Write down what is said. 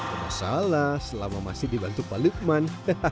ada masalah selama masih dibantu pak lukman